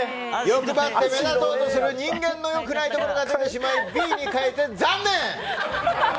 欲張って目立とうとする人間のよくないところが出てしまい、Ｂに変えて残念！